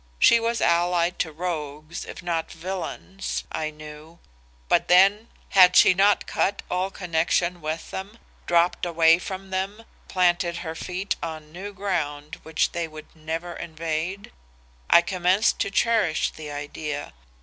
She was allied to rogues if not villains, I knew; but then had she not cut all connection with them, dropped away from them, planted her feet on new ground which they would never invade? I commenced to cherish the idea.